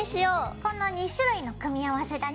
この２種類の組み合わせだね。